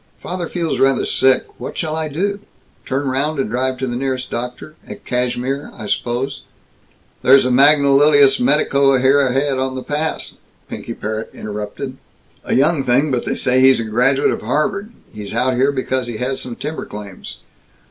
"Father feels rather sick. What shall I do? Turn round and drive to the nearest doctor at Cashmere, I suppose?" "There's a magnolious medico ahead here on the pass," Pinky Parrott interrupted. "A young thing, but they say he's a graduate of Harvard. He's out here because he has some timber claims.